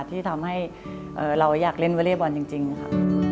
ที่ทำให้เราอยากเล่นวอเล็กบอลจริงค่ะ